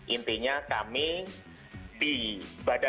intinya kami di badan pencarian